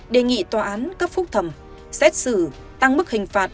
đề nghị tòa án cấp phúc thẩm xét xử tăng mức hình phạt